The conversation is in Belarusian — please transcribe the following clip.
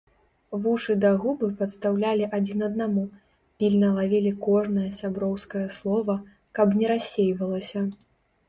Вушы да губы падстаўлялі адзін аднаму, пільна лавілі кожнае сяброўскае слова, каб не рассейвалася.